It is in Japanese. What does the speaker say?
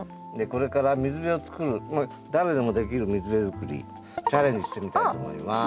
これから水辺を作る誰でもできる水辺作りチャレンジしてみたいと思います。